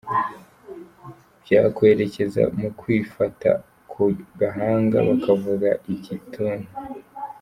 Byakwerekeza mu kwifata ku gahanga, bakavuga « igituntu ».